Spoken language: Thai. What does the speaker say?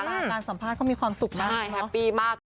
การสัมภาษณ์เขามีความสุขมาก